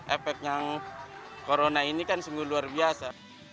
efek yang corona ini kan sungguh luar biasa